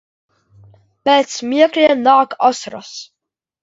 Pēc smiekliem nāk asaras.